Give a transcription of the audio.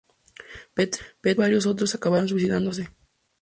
Petrenko y varios otros acabaron suicidándose.